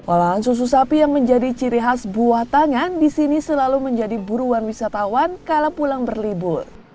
olahan susu sapi yang menjadi ciri khas buah tangan di sini selalu menjadi buruan wisatawan kalau pulang berlibur